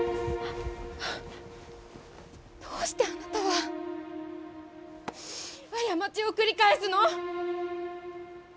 どうしてあなたは過ちを繰り返すの？